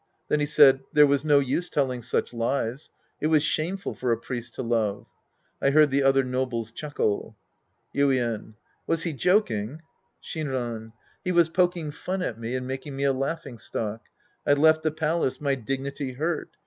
Then he said there was no use telling such lies. It was shameful for a priest to love. I heard the other nobles chuckle. Yuien. Was he joking ? Shinran. He was poking fun at me and making me a laughing stock. I left the palace, my dignity hurt.